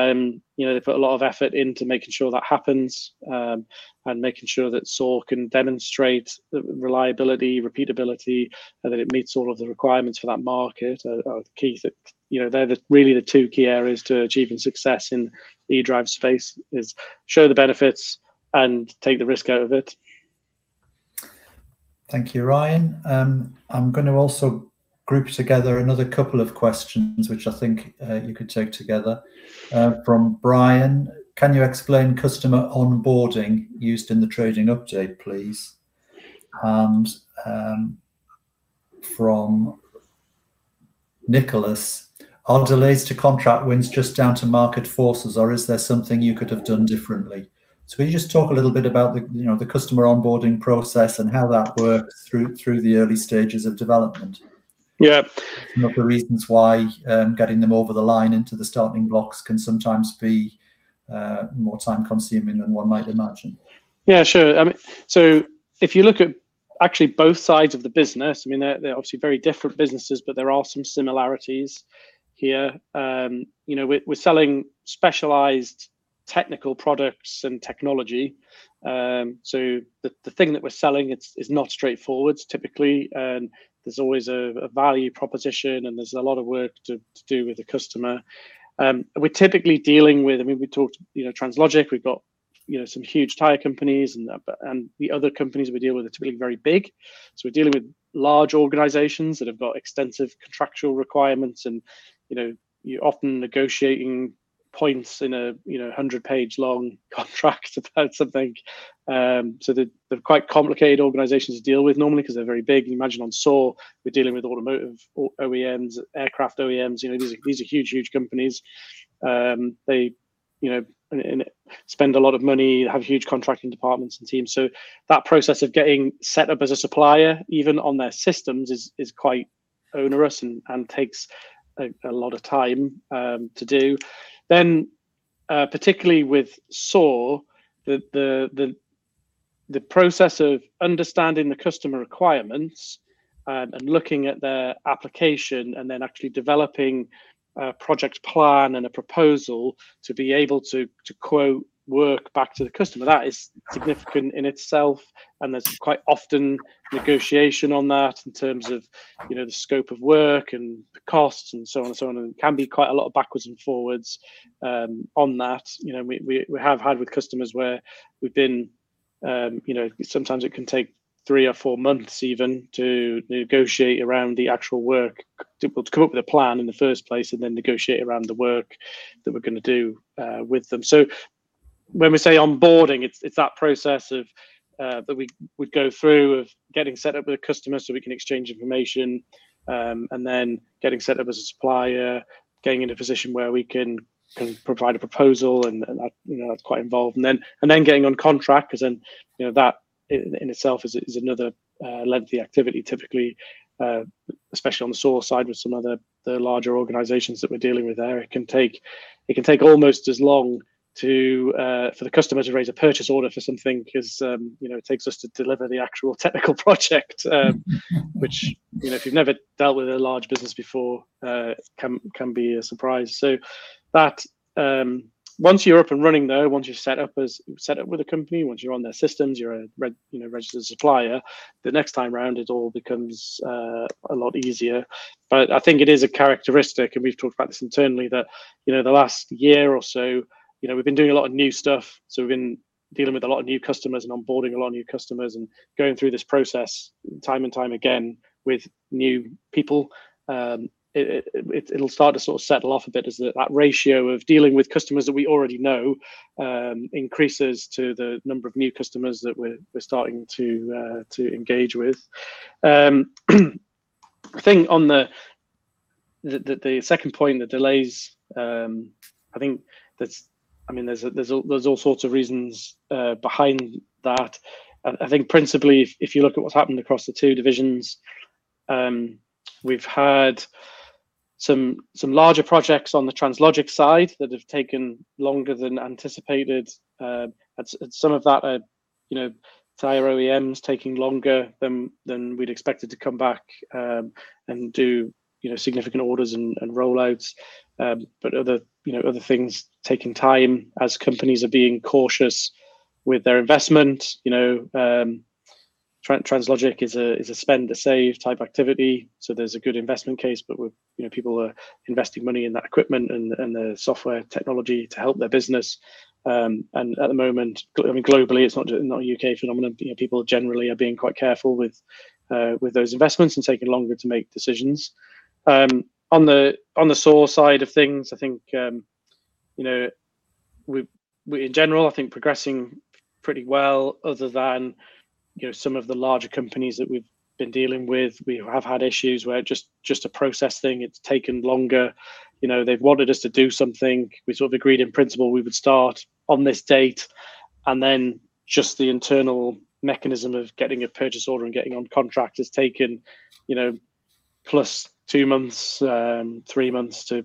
know, they put a lot of effort into making sure that happens, and making sure that SAW can demonstrate the reliability, repeatability, and that it meets all of the requirements for that market are key. That, you know, they're really the two key areas to achieving success in eDrive space is show the benefits and take the risk out of it. Thank you, Ryan. I'm gonna also group together another couple of questions, which I think you could take together. From Brian: Can you explain customer onboarding used in the trading update, please? And from Nicholas: Are delays to contract wins just down to market forces, or is there something you could have done differently? So will you just talk a little bit about the, you know, the customer onboarding process and how that worked through, through the early stages of development? Yeah. You know, the reasons why, getting them over the line into the starting blocks can sometimes be, more time-consuming than one might imagine. Yeah, sure. I mean, so if you look at actually both sides of the business, I mean, they're, they're obviously very different businesses, but there are some similarities here. You know, we're, we're selling specialized technical products and technology. So the, the thing that we're selling, it is not straightforward typically, and there's always a, a value proposition, and there's a lot of work to, to do with the customer. We're typically dealing with... I mean, we talked, you know, Translogik, we've got, you know, some huge tire companies and, but, and the other companies we deal with are typically very big. So we're dealing with large organizations that have got extensive contractual requirements and, you know, you're often negotiating points in a, you know, hundred-page long contract about something. So they're, they're quite complicated organizations to deal with normally 'cause they're very big. You imagine on SAW, we're dealing with automotive OEMs, aircraft OEMs, you know, these are huge companies. They, you know, spend a lot of money, have huge contracting departments and teams. So that process of getting set up as a supplier, even on their systems, is quite onerous and takes a lot of time to do. Then, particularly with SAW, the process of understanding the customer requirements and looking at their application and then actually developing a project plan and a proposal to be able to quote work back to the customer, that is significant in itself, and there's quite often negotiation on that in terms of, you know, the scope of work and the costs and so on and so on. It can be quite a lot of backwards and forwards on that. You know, we have had with customers where we've been, you know, sometimes it can take three or four months even to negotiate around the actual work, to come up with a plan in the first place and then negotiate around the work that we're gonna do with them. So when we say onboarding, it's that process that we go through of getting set up with a customer so we can exchange information, and then getting set up as a supplier, getting in a position where we can provide a proposal, and that, you know, that's quite involved. And then getting on contract, 'cause then, you know, that in itself is another lengthy activity. Typically, especially on the SAW side with some of the larger organizations that we're dealing with there, it can take almost as long to, for the customer to raise a purchase order for something, 'cause, you know, it takes us to deliver the actual technical project, which, you know, if you've never dealt with a large business before, can be a surprise. So but, once you're up and running, though, once you're set up with a company, once you're on their systems, you're a registered supplier, the next time around, it all becomes a lot easier. But I think it is a characteristic, and we've talked about this internally, that, you know, the last year or so, you know, we've been doing a lot of new stuff. So we've been dealing with a lot of new customers and onboarding a lot of new customers and going through this process time and time again with new people. It'll start to sort of settle off a bit as that ratio of dealing with customers that we already know increases to the number of new customers that we're starting to engage with. I think on the second point, the delays, I think there's... I mean, there's all sorts of reasons behind that. And I think principally, if you look at what's happened across the two divisions, we've had some larger projects on the Translogik side that have taken longer than anticipated. And some of that are, you know, tire OEMs taking longer than we'd expected to come back and do, you know, significant orders and rollouts. But other, you know, other things taking time as companies are being cautious with their investment, you know, Translogik is a spend-to-save type activity, so there's a good investment case, but we're, you know, people are investing money in that equipment and the software technology to help their business. And at the moment, I mean, globally, it's not just a UK phenomenon, you know, people generally are being quite careful with those investments and taking longer to make decisions. On the SAW side of things, I think, you know... We in general, I think, are progressing pretty well other than, you know, some of the larger companies that we've been dealing with. We have had issues where just a process thing, it's taken longer. You know, they've wanted us to do something. We sort of agreed in principle we would start on this date, and then just the internal mechanism of getting a purchase order and getting on contract has taken, you know, plus two months, three months to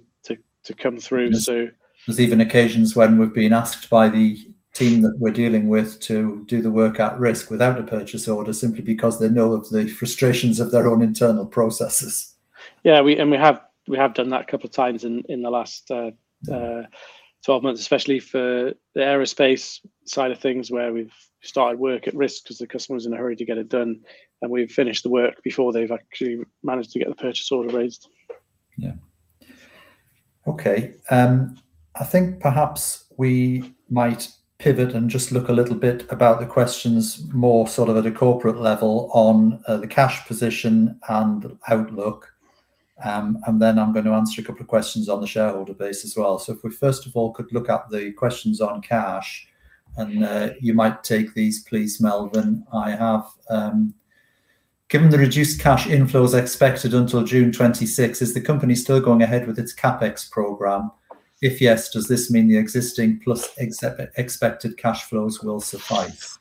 come through, so. There's even occasions when we've been asked by the team that we're dealing with to do the work at risk without a purchase order, simply because they know of the frustrations of their own internal processes. Yeah, we have done that a couple of times in the last 12 months, especially for the aerospace side of things, where we've started work at risk 'cause the customer's in a hurry to get it done, and we've finished the work before they've actually managed to get the purchase order raised. Yeah. Okay, I think perhaps we might pivot and just look a little bit about the questions more sort of at a corporate level on, the cash position and outlook. And then I'm gonna answer a couple of questions on the shareholder base as well. So if we first of all could look at the questions on cash, and, you might take these, please, Melvyn. I have: "Given the reduced cash inflows expected until June 2026, is the company still going ahead with its CapEx program? If yes, does this mean the existing plus expected cash flows will suffice?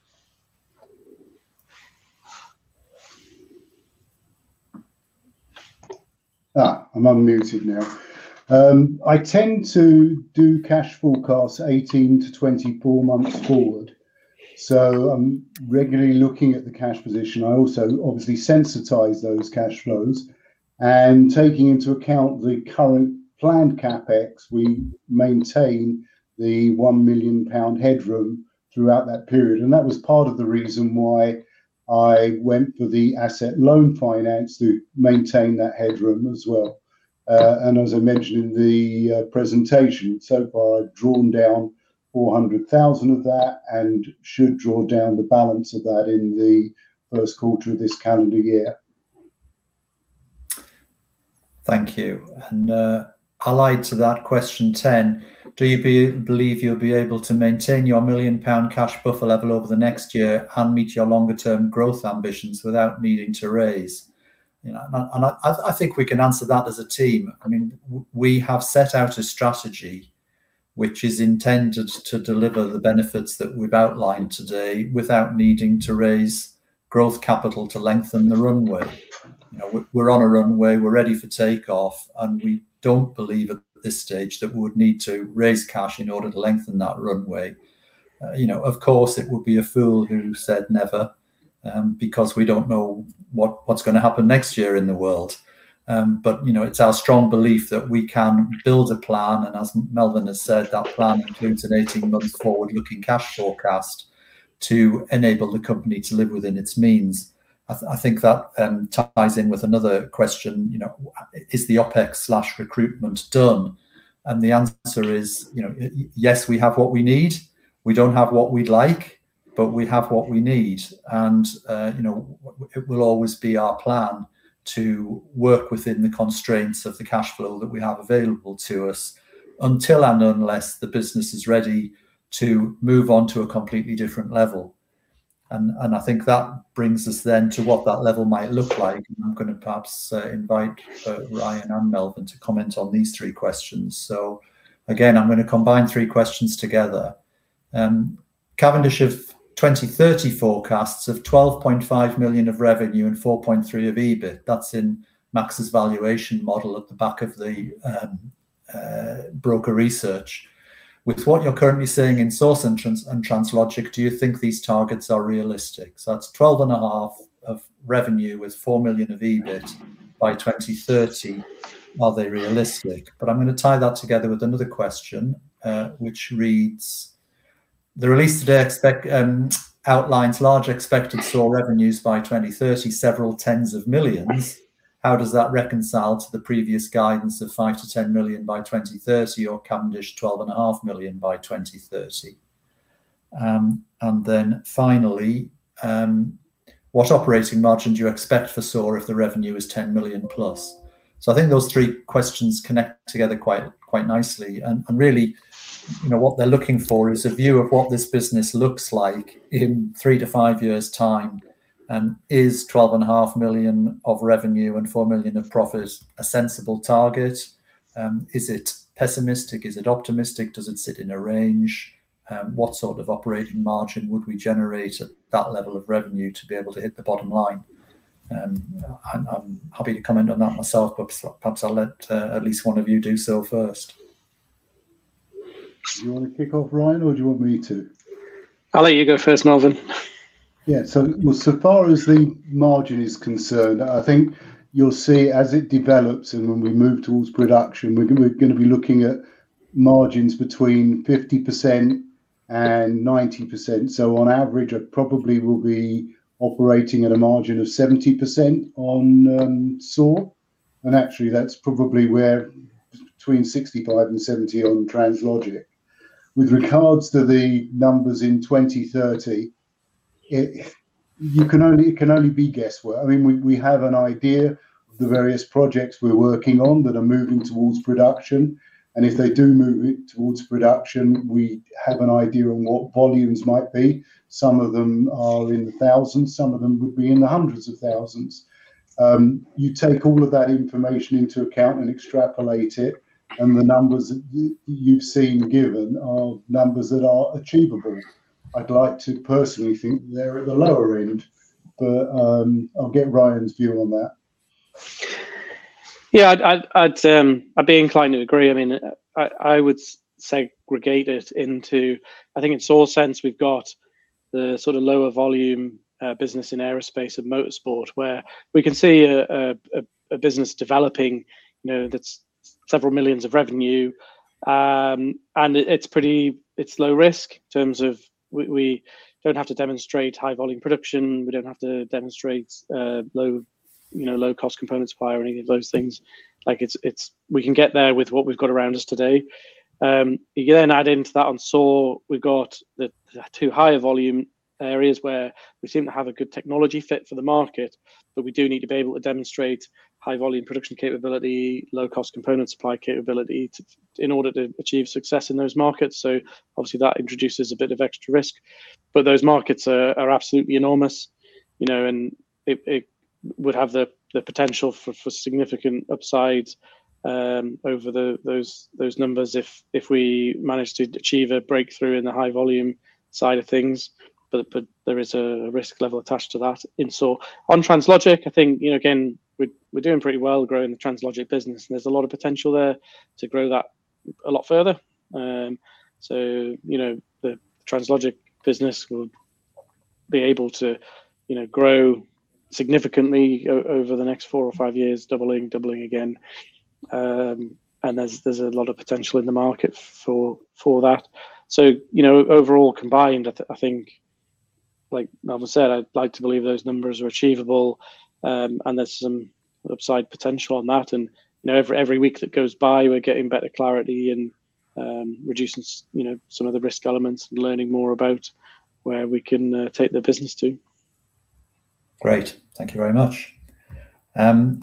I'm unmuted now. I tend to do cash forecasts 18-24 months forward, so I'm regularly looking at the cash position. I also obviously sensitize those cash flows, and taking into account the current planned CapEx, we maintain the 1 million pound headroom throughout that period. And that was part of the reason why I went for the asset loan finance to maintain that headroom as well. And as I mentioned in the presentation, so far I've drawn down 400,000 of that and should draw down the balance of that in the first quarter of this calendar year. Thank you. And, allied to that, question 10: "Do you believe you'll be able to maintain your 1 million pound cash buffer level over the next year and meet your longer term growth ambitions without needing to raise?" You know, and I think we can answer that as a team. I mean, we have set out a strategy which is intended to deliver the benefits that we've outlined today without needing to raise growth capital to lengthen the runway. You know, we're on a runway, we're ready for take-off, and we don't believe at this stage that we would need to raise cash in order to lengthen that runway. You know, of course, it would be a fool who said never, because we don't know what's gonna happen next year in the world. But, you know, it's our strong belief that we can build a plan, and as Melvyn has said, that plan includes an 18-month forward-looking cash forecast to enable the company to live within its means. I think that ties in with another question, you know, "Is the OpEx/recruitment done?" And the answer is, you know, yes, we have what we need. We don't have what we'd like, but we have what we need. And, you know, it will always be our plan to work within the constraints of the cash flow that we have available to us, until and unless the business is ready to move on to a completely different level. And I think that brings us then to what that level might look like. I'm gonna perhaps invite Ryan and Melvyn to comment on these three questions. So again, I'm gonna combine three questions together. Cavendish of 2030 forecasts of 12.5 million of revenue and 4.3% of EBIT, that's in Max's valuation model at the back of the broker research. With what you're currently seeing in SAWsense and Translogik, do you think these targets are realistic? So that's 12.5% of revenue, with 4 million of EBIT by 2030. Are they realistic? But I'm gonna tie that together with another question, which reads: "The release today outlines large expected SAW revenues by 2030, several tens of millions. How does that reconcile to the previous guidance of 5 million-10 million by 2030, or Cavendish 12.5 million by 2030?" And then finally, "What operating margins you expect for SAWsense if the revenue is 10 million plus?" So I think those three questions connect together quite nicely, and really, you know, what they're looking for is a view of what this business looks like in three to five years time, and is 12.5 million of revenue and 4 million of profit a sensible target? Is it pessimistic? Is it optimistic? Does it sit in a range? What sort of operating margin would we generate at that level of revenue to be able to hit the bottom line? I'm happy to comment on that myself, but perhaps I'll let at least one of you do so first. You want to kick off, Ryan, or do you want me to? I'll let you go first, Melvyn. Yeah, so, so far as the margin is concerned, I think you'll see as it develops and when we move towards production, we're gonna be looking at margins between 50% and 90%. So on average, I probably will be operating at a margin of 70% on SAW. And actually, that's probably where between 65% and 70% on Translogik. With regards to the numbers in 2030- It can only be guesswork. I mean, we have an idea of the various projects we're working on that are moving towards production, and if they do move it towards production, we have an idea on what volumes might be. Some of them are in the thousands, some of them would be in the hundreds of thousands. You take all of that information into account and extrapolate it, and the numbers that you've seen given are numbers that are achievable. I'd like to personally think they're at the lower end, but I'll get Ryan's view on that. Yeah, I'd be inclined to agree. I mean, I would segregate it into... I think in SAWsense, we've got the sort of lower volume business in aerospace and motorsport, where we can see a business developing, you know, that's several millions of revenue. And it's pretty low risk in terms of we don't have to demonstrate high-volume production. We don't have to demonstrate low, you know, low-cost component supply or any of those things. Like it's we can get there with what we've got around us today. You then add into that on SAW, we've got the two higher volume areas where we seem to have a good technology fit for the market, but we do need to be able to demonstrate high-volume production capability, low-cost component supply capability in order to achieve success in those markets. So obviously, that introduces a bit of extra risk. But those markets are absolutely enormous, you know, and it would have the potential for significant upsides over those numbers if we manage to achieve a breakthrough in the high-volume side of things. But there is a risk level attached to that in SAW. On Translogik, I think, you know, again, we're doing pretty well growing the Translogik business, and there's a lot of potential there to grow that a lot further. So, you know, the Translogik business will be able to, you know, grow significantly over the next four or five years, doubling, doubling again. And there's a lot of potential in the market for that. So, you know, overall, combined, I think, like Melvyn said, I'd like to believe those numbers are achievable, and there's some upside potential on that. And, you know, every week that goes by, we're getting better clarity and, reducing you know, some of the risk elements and learning more about where we can take the business to. Great. Thank you very much. I'm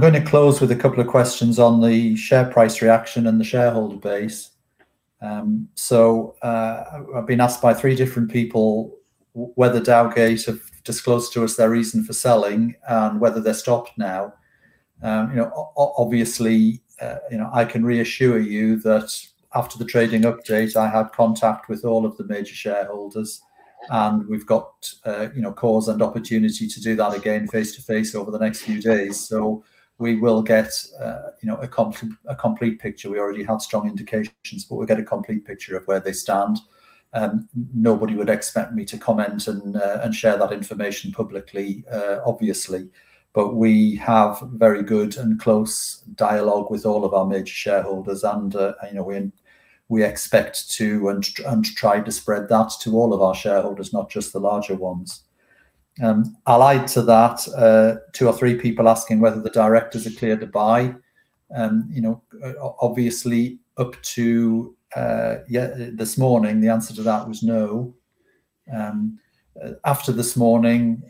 gonna close with a couple of questions on the share price reaction and the shareholder base. I've been asked by three different people whether Dowgate have disclosed to us their reason for selling, and whether they've stopped now. You know, obviously, you know, I can reassure you that after the trading update, I had contact with all of the major shareholders, and we've got you know, of course and opportunity to do that again face-to-face over the next few days. So we will get you know, a complete picture. We already have strong indications, but we'll get a complete picture of where they stand. Nobody would expect me to comment and share that information publicly, obviously, but we have very good and close dialogue with all of our major shareholders, and, you know, we expect to and try to spread that to all of our shareholders, not just the larger ones. Allied to that, two or three people asking whether the directors are clear to buy, you know, obviously, up to, yeah, this morning, the answer to that was no. After this morning,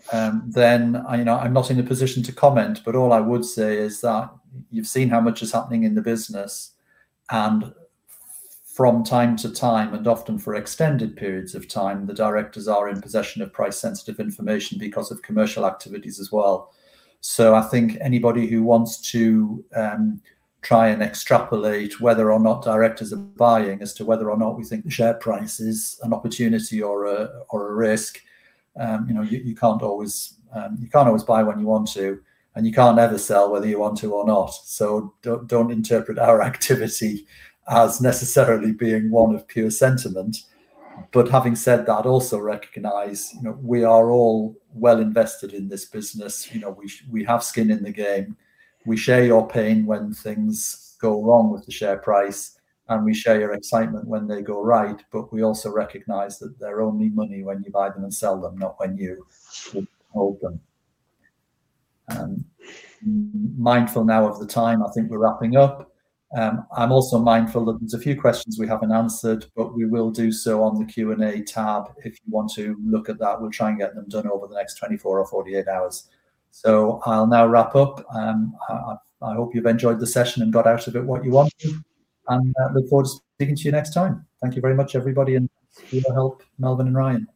then, you know, I'm not in a position to comment, but all I would say is that you've seen how much is happening in the business, and from time to time, and often for extended periods of time, the directors are in possession of price-sensitive information because of commercial activities as well. So I think anybody who wants to try and extrapolate whether or not directors are buying, as to whether or not we think the share price is an opportunity or a risk, you know, you can't always buy when you want to, and you can't ever sell whether you want to or not. So don't interpret our activity as necessarily being one of pure sentiment. But having said that, also recognize, you know, we are all well invested in this business. You know, we have skin in the game. We share your pain when things go wrong with the share price, and we share your excitement when they go right, but we also recognize that they're only money when you buy them and sell them, not when you hold them. Mindful now of the time, I think we're wrapping up. I'm also mindful that there's a few questions we haven't answered, but we will do so on the Q&A tab. If you want to look at that, we'll try and get them done over the next 24 or 48 hours. So I'll now wrap up. I hope you've enjoyed the session and got out of it what you wanted, and I look forward to speaking to you next time. Thank you very much, everybody, and for your help, Melvyn and Ryan.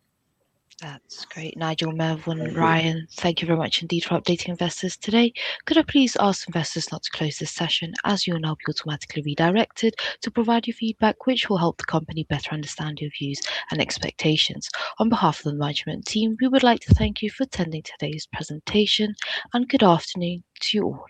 That's great. Nigel, Melvyn, Ryan, thank you very much indeed for updating investors today. Could I please ask investors not to close this session, as you will now be automatically redirected to provide your feedback, which will help the company better understand your views and expectations. On behalf of the management team, we would like to thank you for attending today's presentation, and good afternoon to you all.